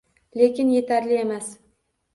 Lekin etarli emas